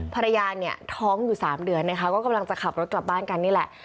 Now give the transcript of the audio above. ภรรยาเนี่ยท้องอยู่๓เดือนนะคะก็กำลังจะขับรถกลับบ้านกันนี่แหละ